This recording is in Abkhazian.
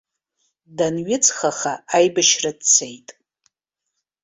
Данҩыҵхаха аибашьра дцеит.